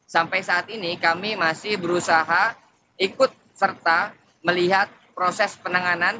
sampai saat ini kami masih berusaha ikut serta melihat proses penanganan